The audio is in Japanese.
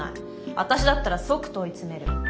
私だったら即問い詰める。